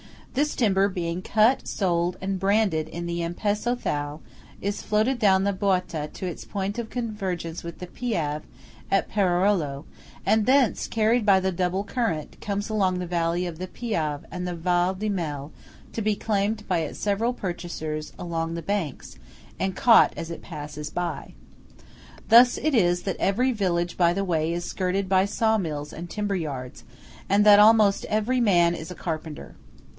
This timber, being cut, sold, and branded in the Ampezzo Thal, is floated down the Boita to its point of confluence with the Piave at Perarolo, and thence, carried by the double current, comes along the valley of the Piave and the Val di Mel, to be claimed by its several purchasers along the banks, and caught as it passes by. Thus it is that every village by the way is skirted by saw mills and timber yards, and that almost every man is a carpenter.